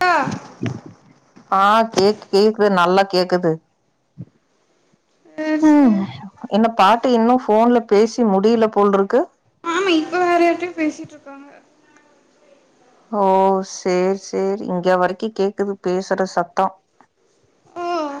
ஆ ஆ கேக்கு கேக்குது நல்லா கேக்குது சேர் ம் சேர் என்ன பாட்டி இன்னு ஃபோன்ல பேசி முடியல போல்ருக்கு ம் இப்ப வேற யார்டயோ பேசிட்டு இருக்காங்க ஓ சேரி சேரி இங்க வரிக்கு கேக்குது பேசுற சத்தோ ம்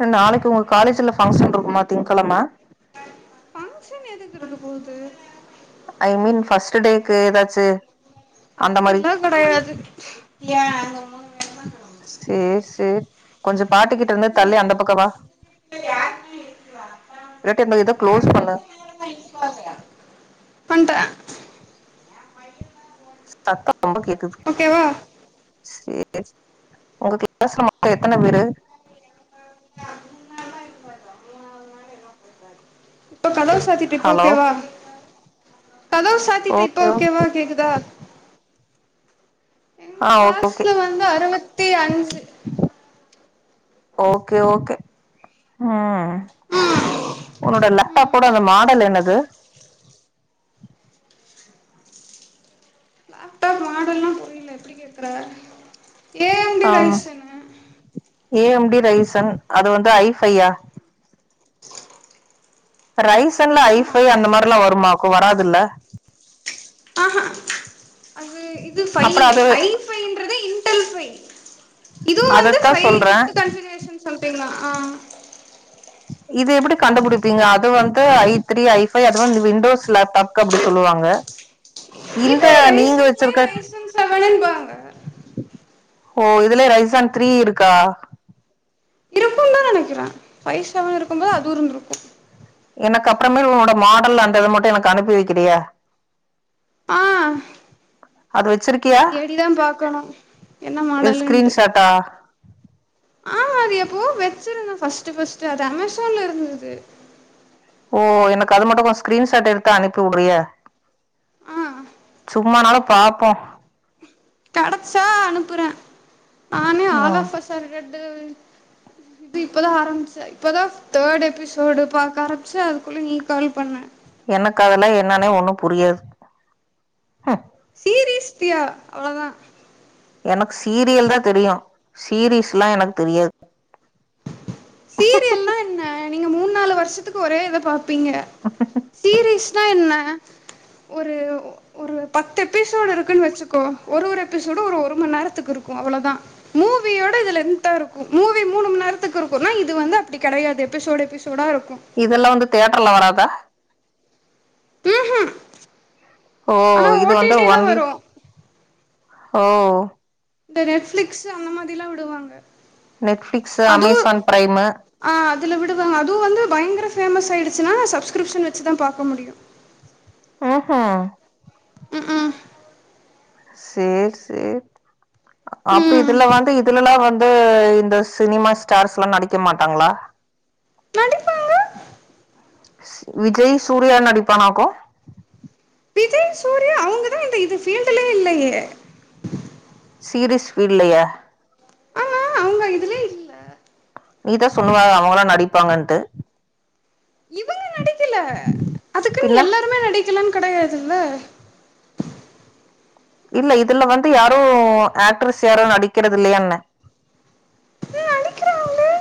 த்த நாளைக்கு உங்க காலேஜ்ல ஃபங்க்ஷன் இருக்குமா திங்கெழம ஃபங்க்ஷன் எதுக்கு இருக் போது ஐ மீன் ஃபஸ்ட்டு டேக்கு எதாச்சி தில்லா கெடையாது சேர் சேர் கொஞ்ச பாட்டுக்கிட்டு இருந்து தள்ளி அந்த பக்கவா [unintelligible] க்ளோஸ் பண்ணு பண்ட சத்தம் ரொம்ப கேக்குது ஓகேவா சே உங்க க்லாஸ்ல மொத்த எத்தன பேரு கதவ சாத்திட்ட இப்ப ஹலோ ஓகேவா கதவு சாத்திட்டே இப்ப ஓகே ஓகே ஓகேவா கேக்குதா எங்க ஆ ஓகே கிளாஸ்ல வந்து அறுவத்தி அஞ்சி ஓகே ஓகே ம் ம் உன்னோட ம் லெப்டாப்போட அந்த மாடல் என்னது லேப்டாப் மாடல்னா புரியல கேக்கற ஆம் ஏஎம்டி ரைசன் அது வந்து ஐ ஃபையா ரைஸ்ன்ல ஐ ஆமா ஃபை அந்த மாரில்லா வருமாக்கு வராதுல்ல து ஃபை அப்புறம் அது ஐ ஃபைன்றது இன்டல் ஃபை இதுவு வந்து அதைத்தான் ஃபை சொல்றேன் பிஃப்த்து கண்ஞ்சிகிரேஷன் சம்திங்தா ஆ இது எப்பிடி கண்டுபிடிப்பீங்க அது வந்து ஐ த்ரீ ஐ ஃபை அது வந்து விண்டோஸ் லேப்டாப்கு அப்பிடி சொல்லுவாங்க இந்த இது நீங்க ரைஸ்சன் ஃபை வச்சிருக்க ரைஸ் செவன்பாங்க ஓ இதலே ரைசான் த்ரீ இருக்கா த்தா நெனைக்கறே ஃபை செவன் இருக்கும்போது அதுவு இருந்துருக்கு எனக்கு அப்புறமே உன்னோட மாடல் அந்த இத மட்டு எனக்கு அனுப்பிவக்கிறியா ஆ அது வச்சிருக் கியா தேடிதா பாக்கணு என்ன ஏ மாடலுன்ட்டு ஸ்கிரீன்ஷாட்டா ஆமா அது எப்பவோ வச்சிருந்தே ஃபஸ்ட்டு ஃபஸ்ட்டு அது அமேசான்ல இருந்தது ஓ எனக்கு அது மட்டும் கொஞ்ச ஸ்கிரீ ஷாட் எடுத்து அனுப்பி விடுறியா ஆ சும்மா நாலும் பாப்போ கடைச்சா அனுப்புறே நானே ம் ஆலாஃபசா இருக்குறது இது இப்பதா ஆரம்பிச்சே இப்போதா தேர்ட் எபிசோடு பாக்க ஆரம்பமிச்செ அதுக்குள்ளே நீ கால் பண்ண எனக்கு அதல்ல என்னன்னே ஒண்ணும் புரியாது சீரிஸ்டியா அவ்ளோதா எனக்கு சீரியல் தா தெரியும் சீரீஸ்ல்லா எனக்கு தெரியாது சீரியல்னா என்ன நீங்க மூணு நாலு வருஷத்துக்கு ஒரே இத பாப்பீங்க சீரீஸ்னா என்ன ஒரு ஒரு பத்து எபிசோடு இருக்குன்னு வச்சுக்கோ ஒரு ஒரு எபிசோடும் ஒரு ஒரு மண் நேரத்துக்கு இருக்கும் அவ்வளோதா மூவியோட இது லென்த்தா இருக்கும் மூவி மூணு மண் நேரத்துக்கு இருக் குனா இது வந்து அப்டி கெடையாது எபிசோட் எபிசோடா இருக்கும் இதெல்லா வந்து தேயட்டர்ல வராதா ம்ஹூம் ஓ ஆனா ஓ இது டி வந்து டி ல ஒன்ல வரு ஓ இந்த நெட்ஃபிளிக்ஸ் அந்த மாதில்லா விடுவாங்க நெட்ஃபிளிக்ஸ் அதுவு அமேசான் பிரைமு ஆ அதுல விடுவாங்க அதுவும் வந்து பயங்கர ஃபேமஸ் ஆயிடுச்சுன்னா சப்ஸ்கிரிப்ஷன் வச்சு தா பாக்க முடியும் ம் ம் ம் ம் சேரி சேரி அப்ப ம் இதுல வந்து இதுலல்லா வந்து வந்து இந்த சினிமா ஸ்டார்ஸ்ல்லா நடிக்க மாட்டாங்களா நடிப்பாங்க விஜய் சூர்யா நடிப்பானாக்கு விஜய் சூர்யா அவங்கதா இந்த இது பீல்டுலே இல்லையே சீரீஸ் பீல்ட்லயா ஆ அவங்க இதுலே இல்ல நீதான் சொல்லுவ அவங்களா நடிப்பாங்கன்ட்டு இவங்க நடிக்கல அதுக்குன்னு பின்ன எல்லாருமே நடிக்கலன்னு கெடையாதுல்ல இல்ல இதுல வந்து யாரும் ஆக்ட்ரஸ் யாரும் நடிக்கிறது இல்லையான்னே நடிக்கிறாங்களே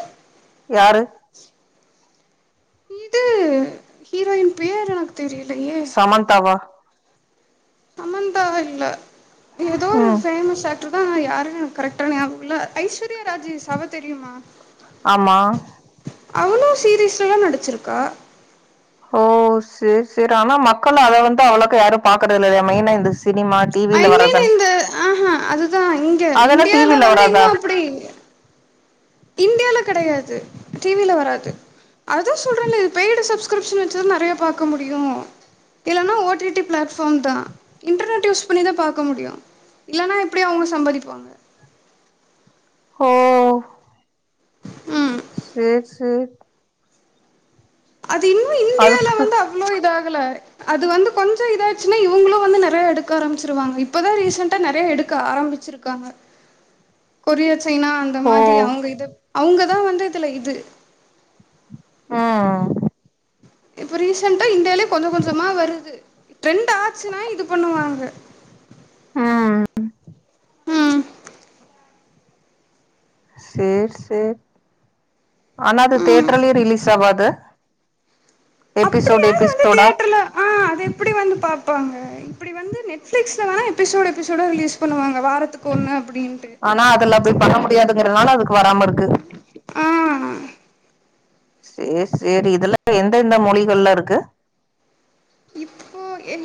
யாரு இது ஹீரோயின் பேர் எனக்கு தெரியலையே சமந்தாவா சமந்தா இல்ல ஏதோ ஒரு ம் பேமஸ் ஆக்ட் இதுதா யாரு கரெக்டான ஞாபகம் இல்ல ஐஸ்வர்யா ராஜேஷ் அவ தெரியுமா ஆமா அவளும் சீரிஸ்லல்லா நடிச்சிருக்கா ஓ சரி சரி ஆனா மக்கள் அத வந்து அவ்ளவுக்கா யாரும் பாக்குற இல்லையா மெயினா இந்த சினிமா டி வி ல வர்றதான்ன வந்து ஆ ஆ அதுதா இங்க அதெல்லாம் இந்தியால டிவில வந்து வராதா இன்னும் அப்டி இந்தியால கெடையாது டி வி ல வராது அதுதா சொல்றேன்னே இது பெய்டு சப்ஸ்கிரிப்ஷன் வச்சுதா நெறைய பாக்க முடியும் இல்லைன்னா ஓ டி டி பிளாட்ஃபார்ம் தா இன்டர்நெட் யூஸ் பண்ணி தா பாக்க முடியும் இல்லனா எப்டி அவங்க சம்பாதிப்பாங்க ஓ ம் சேரி சேரி அது இன்னும் அதுக்கு அவளோ இது ஆகல அது வந்து கொஞ்சோம் இதாச்சுன்னா இவுங்களும் வந்து நறைய எடுக்க ஆரம்பிச்சிருவாங்க இப்பதான் ரீசண்டா நறைய எடுக் க்கு ஆரம்பிச்சிருக்காங்க கொரியா சைனா அந்த அந்த ஓ மாரி அவுங்க இது அவுங்கதான் வந்து இதுல இது ம் இப்போ ரீசெண்டா இன்டியாலே கொஞ்சம் கொஞ்சமா வருது ட்ரெண்ட் ஆச்சுன்னா இது பண்ணுவாங்க ம் ம் செர் செர் ஆனா அது ம் தேட்டர்லயும் ரிலீஸ் ஆவாது அப்டி எபிசோட் யாரு வந்து எபிசோடா தியேட்டர்ல ஆ அது எப்டி வந்து பாப்பாங்க இப்படி வந்து நெட்பிளிக்ஸ்ல தான எபிசோட எபிசோடா ரிலீஸ் பண்ணுவாங்க வாரத்துக்கு ஒன்னு அப்படின்ட்டு ஆனா அதுல அப்படி பண்ண முடியாதுங்கறதனால அதுக்கு வராம இருக்கு ஆ சேர் சேரி இதுலாம் எந்த எந்த மொழிகள்ல இருக்கு இப்போ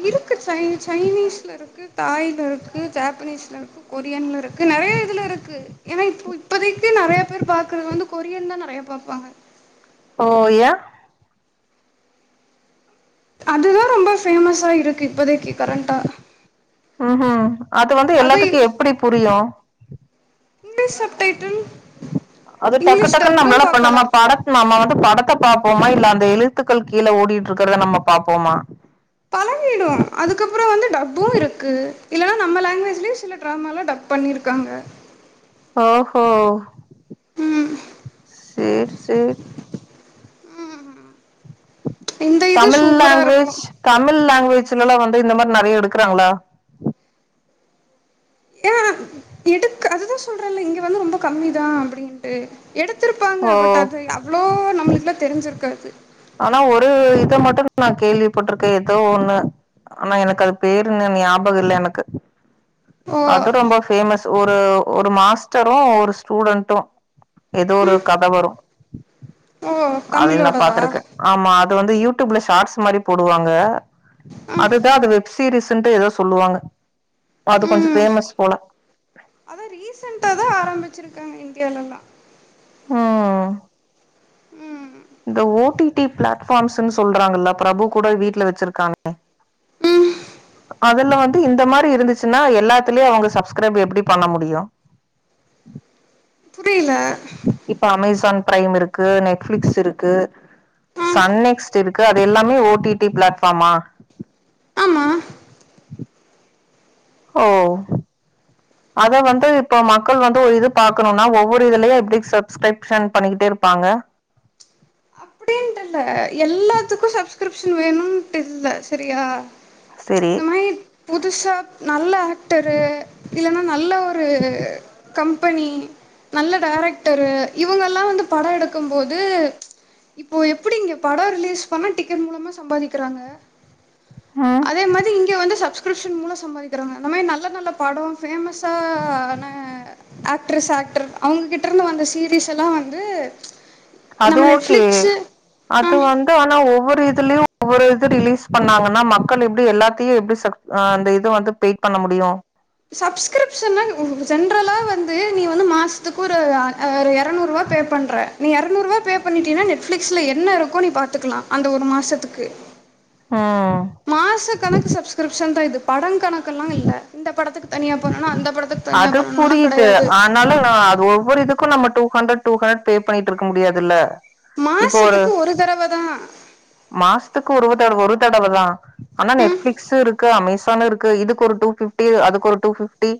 இருக்கு சை சைனீஸில் இருக்கு தாயில இருக்கு ஜப்பனீஸில இருக்கு கொரியன்ல இருக்கு நறைய இதுல் இருக்கு ஏன்னா இப்ப இப்பதைக்கு நறைய பேர் பாக்குறது வந்து கொரியன் தான் நறைய பாப்பாங்க ஓ யேன் அதுதான் ரொம்ப பேமஸ்ஸா இருக்கு இப்போதைக்கு கரண்டா ம் ம் அது வந்து எல்லாத்துக்கும் எப்புடி புரியும் இங்லிஷ் சப்டைட்டல் அது டக்கு டக்குன்னு நம்மளளாப் பண்லாமா பட நம்ம வந்து படத்த பாப்போமா இல்ல அந்த எழுத்துக்கள் கீழ ஓடிட்டு இருக்கிறத நம்ம பாப்போமா [unintelligible] அதுக்கப்புறோம் வந்து டப்பு இருக்கு இல்லன்னா நம்ப லாங்குவேஜ்ய சில டிராம டப் பண்ணிருக்காங்க ஓஹோ ம் செர் செரி ம் இந்த இது தமிழ் சூப்பரா லாங்குவேஜ் இருக்கும் தமிழ் லாங்குவேஜ்ல எல்லாம் வந்து இந்த மாரி நறையா எடுக்குறாங்களா யா எடு அதுதான் சொல்றேன்ல்ல இங்க வந்து ரொம்ப கம்மி தான் அப்படின்னு ஓ எடுத்தருப்பாங்க பட் அது அவ்ளோ நம்மளுக்குலாம் தெரிஞ்சிருக்காது ஆனா ஒரு இத மட்டும் நான் கேள்விப்பட்டிருக்கேன் ஏதோ ஒண்ணு ஆனா எனக்கு அது பேரு ஞாபகம் இல்ல எனக்கு ஓ அது ரொம்ப பேஃமஸ் ஒரு ஒரு மாஸ்டரும் ஒரு ஸ்டூடன்டும் ஏதோ ஒரு கத வரும் ஓ அதயும் நான் தமிழோடதா பாத்திருக்கன் ஆமா அது வந்து யூடியூப்ல ஷார்ட்ஸ் மாரி போடுவாங்க ஆ அதுதான் அது வெப் சீீரீஸ்ன்ட்டு சொல்லுவாங்க அது கொஞ்சோம் போல அதான் ரீசெண்ட்டா அதான் ஆரம்பிச்சிருக்காங்க இந்தியாவலல்லாம் ம் உம் இந்த ஓ டி டி பிளாட்ஃபார்ம்ஸ்ன்னு சொல்றாங்கள்ள பிரபு கூட வீட்டுல வச்சிருக்கானே ம் அதுல வந்து இந்த மாரி இருந்துச்சுன்னா எல்லாத்துலயே அவங்க சப்ஸ்கிரைப் எப்படி பண்ண முடியு புரியல இப்ப அமேசான் பிரைம் இருக்கு நெட்ஃளிக்ஸ் இருக்கு ஆ சன் நெக்ஸ்ட் இருக்கு அது எல்லாமே ஓ டி டி பிளாட்ஃபார்மா ஆமா ஓ அதை வந்து இப்ப மக்கள் வந்து ஒரு இது பாக்கணும்ன்னா ஒவ்வொரு இதுலயே எப்படி சப்ஸ்கிரைப் ஷன் பண்ணிக்கிட்டே இருப்பாங்க அப்டின்ட்டு இல்ல எல்லாத்துக்கு சப்ஸ்கிரிப்ஷன் வேணுன்ட்டு இல்ல சேரியா செரி இந்த மாரி புதுசா நல்ல ஆக்டர்ரு இல்லைன்னா நல்ல ஒரு கம்பெனி நல்ல டைரக்டரு இவங்க எல்லா வந்து படோ எடுக்கும் போது ஓ எப்படி இங்கே படோ ரிலீஸ் பண்ணா டிக்கெட் மூலமா சம்பாதிக்கிறாங்க ஆ அதே மாதிரி இங்கே வந்து சப்ஸ்கிரிப்ஷன் மூலோ சம்பாதிக்கிறவங்க அந்த மாதிரி நல்ல நல்ல படோ ஃபேமஸான ஆக்ட்ரஸ் ஆக்டர் அவங்ககிட்ட இருந்து வந்த சீரீஸ் எல்லா வந்து அது நம்ம ஓக்கே நெட்ஃப்ளிக்ஸு ஆ அது வந்து ஆனா ஒவ்வொரு இதுலயு ஒவ்வொரு இது ரிலீஸ் பண்ணாங்கன்னா மக்கள் எப்படி எல்லாத்தையு எப்படி சப்ஸ்கிரிப் ஆ அந்த இது வந்து பெயிட் பண்ண முடியு சப்ஸ்கிரிப்ஷன்னா ஜென்ரலா வந்து நீ வந்து மாசத்துக்கு ஒரு ஒரு எரநூறு ரூபா பே பண்றே நீ இருநூறுருபா பே பண்ணிட்டேனா நெட்ஃபிளேக்ஸ்லா என்ன இருக்கோ நீ பாத்துக்கலா அந்த ஒரு மாசத்துக்கு ஆ மாச கணக்கு சப்ஸ்கிரிப்ன் தா இது படம் கணக்கு எல்லா இல்ல இந்த படத்துக்கு தனியா பண்ணனு அந்த படத்துக்கு தனியா அது பண்ணனுல்லா புரியுது கெடையாது ஆ அதனால நா அது ஒவ்வொரு இருக்கு நம்ம two hundred two hundred pay பண்ணிட்டு இருக்க முடியாதுல்ல இப்போ ஒரு மாசத்துக்கு தடவ தான் மாசத்துக்கு ஒரு தடவ ஒரு தடவதா ஆனா ம் நெட்பிளிக்ஸ் இருக்கு அமேசானு இருக்கு இதுக்கு ஒரு டூ ஃபிப்டி அது ஒரு டூ ஃபிப்டி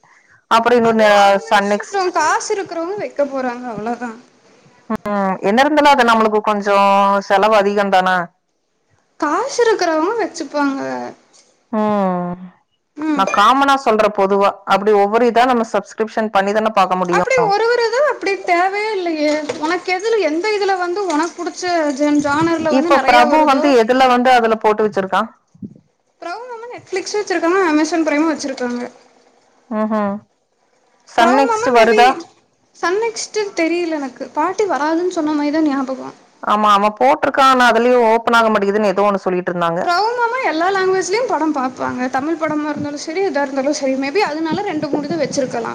அப்புறோ இன்னொரு அதுவும் அவங்க இஷ்டப்ப சன்நெக்ஸ்ட்டு காசு இருக்கிறவங்க வெக்க போறாங்க அவ்வளோதா உம் என்ன இருந்தாலு அது நம்மளுக்கு கொஞ்சு செலவு அதிகோந் தான காசு இருக்கிறவங்க வெச்சுப்பாங்க ஆ நா காமனா சொல்ற பொதுவா அப்படி ஒவ்வொரு இதா நம்ம சப்ஸ்கிரிப்ஷன் பண்ணிதானே பாக்க முடியு அப்படி ஒரு ஒரு இது அப்படி தைவையே இல்லையே உனக்கு எதுல எந்த இதுல வந்து உனக்கு பிடிச்ச ஜென் ஜானரல வந்து நெறையா வருதோ இதுல வந்து அதுல போட்டு வச்சிருக்கா ப்ரோமம்ம நெட் ஃபிளிக்சு வெச்சிருக்கா அமைஸ்சான் பிரைமு வெச்சிருக்காங்க ஆ ஆ சன் பிரவுமமா நெக்ஸ்ட்டு மேபி வருதா சன் நெக்ஸ்ட்டு தெரியல எனக்கு பாட்டி வராதுன்னு சொன்ன மாதிரி தான் ஞாபகோ ஆமா அவ போட்டிருக்கா ஆன அதுலயு ஓப்பன் ஆக மாட்டிக்குது ஏதோ ஒன்னு சொல்லி ட்ரௌமம்மா எல்லா லாங்குவேஜ்லயு படம் பாப்பாங்க தமிழ் படமா இருந்தாலு சேரி எதா இருந்தாலு சேரி மேபி அதனால ரெண்டு மூணது வெச்சிருக்கலா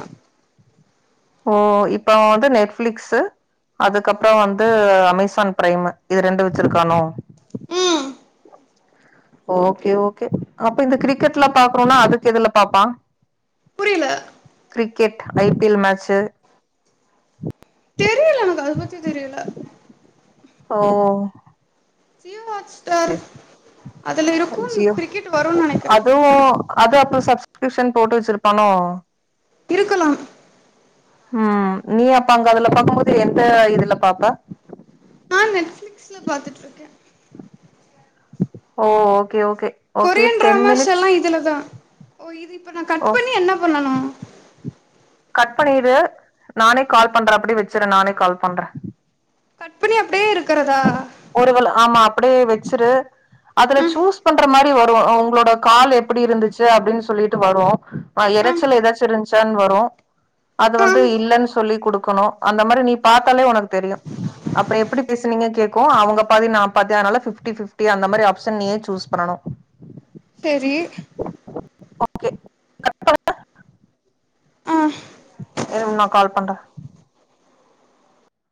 ஓ இப்ப வந்து நெட்டுஃளிக்ஸ்சு அதுக்கு அப்பறோ வந்து அமேசான் பிரைம் இது ரெண்டு வச்சிருக்கானோ ம் ஓகே ஓகே அப்ப இந்த கிரிக்கெட்ல பாக்குறோன்னா அதுக்கு எதுல பாப்பா புரியல கிரிக்கெட் ஐபிஎல் மேட்சு புகழ்ச்சி தெரியுல்ல ஓ சியூ வாட்ஸ் சேரி அச்சியூ கிரிக்கெட் வரும்னு நெனைக்கிறே அதுவு அது அப்பறோ சப்ஸ்கிரிப்ஷன் போட்டு வச்சிருப்பானோ இருக்கணு ம் நீ அப்ப அங்க அதுல பாக்கும் போது எந்த இதுல பாப்ப நெட்ல பாத்துட்ருக்கே ஓ ஓகே ஓகே ஓகே டென் காஸ் மினிட்ஸ் எல்லா இதுலதா ஓ இது இப்ப நா ஓ கட் பண்ணி என்ன பண்ணனு கட் பண்ணிடு நானே கால் பண்றே அப்டியே வச்சிரு நானே கால் பண்றே நீ அப்டியே இருக்குறதா ஒரு வேளை ஆமா அப்டியே வச்சிரு அதுல ம் சூஸ் பண்ற மாரி வரு உங்களோட கால் எப்டி இருந்துச்சி அப்டின் சொல்லிட்டு வரு ஆ ம் எரைச்சல் ஏதாச்சு இருஞ்சான்னு வரு அது ஆ வந்து இல்லன்னு சொல்லி குடுக்கணு அந்த மாரி நீ பாத்தாலே உனக்கு தெரியு அப்பறோ எப்டி பேசுனீங்க கேக்கு அவங்க பாதி நா பாதி அதனால பிப்டி பிப்டி அந்த மாரி ஆபஷன் நீயே சூஸ் பண்ணனு சேரி ஓகே ஆ இருங்க நா கால் பண்றே